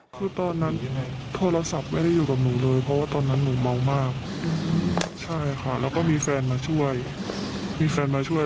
คือตอนนั้นยังไงโทรศัพท์ไม่ได้อยู่กับหนูเลยเพราะว่าตอนนั้นหนูเมามากใช่ค่ะแล้วก็มีแฟนมาช่วยมีแฟนมาช่วย